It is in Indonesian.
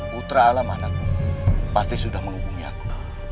putra alam anakku pasti sudah menghubungi aku